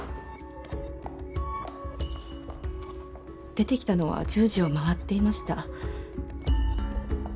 出てきたのは１０時を回っていました。